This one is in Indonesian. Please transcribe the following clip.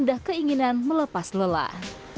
sudah keinginan melepas lelah